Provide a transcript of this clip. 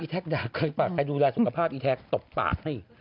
ทักด่าเคยปากใครดูแลสุขภาพอีแท็กตบปากให้